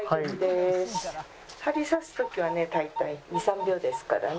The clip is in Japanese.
針刺す時はね大体２３秒ですから。